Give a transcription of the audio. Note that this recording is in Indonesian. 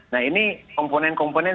nah ini komponen komponen